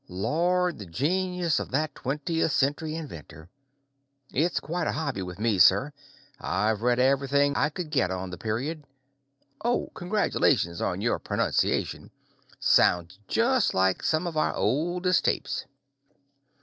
Lord, the genius of that twentieth century inventor! It's quite a hobby with me, sir. I've read everything I could get on the period. Oh congratulations on your pronunciation. Sounds just like some of our oldest tapes."